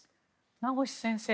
名越先生